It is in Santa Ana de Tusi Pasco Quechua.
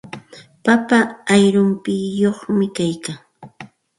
Papa ayrumpiyuqñami kaykan.